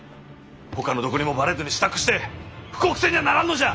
ほかのどこにもばれずに支度して布告せにゃあならんのじゃ。